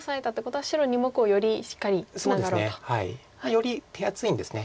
より手厚いんです。